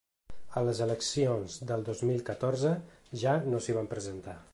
A les eleccions del dos mil catorze ja no s’hi van presentar.